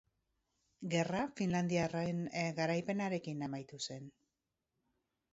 Gerra, finlandiarren garaipenarekin amaitu zen.